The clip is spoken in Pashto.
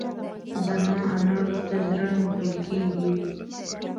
زما انارو ته زړه مښل کېږي.